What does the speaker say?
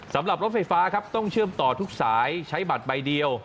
รถไฟฟ้าครับต้องเชื่อมต่อทุกสายใช้บัตรใบเดียว